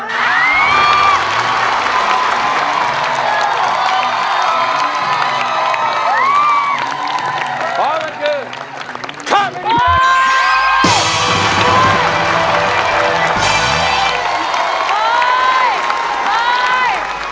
เพราะว่ามันคือข้อมือดีกว่า